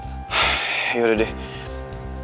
biar nanti gua kerahin anaknya gitu ya